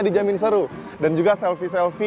dijamin seru dan juga selfie selfie